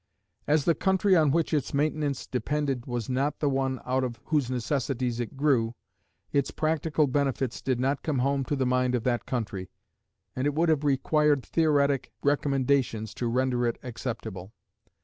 As the country on which its maintenance depended was not the one out of whose necessities it grew, its practical benefits did not come home to the mind of that country, and it would have required theoretic recommendations to render it acceptable.